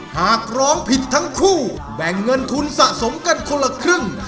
หากร้องผิดทั้งคู่แบ่งเงินทุนสะสมกันคนละครึ่ง